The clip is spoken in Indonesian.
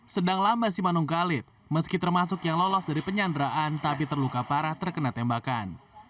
sedang lamba simanung kalit meski termasuk yang lolos dari penyanderaan tapi terluka parah terkena tembakan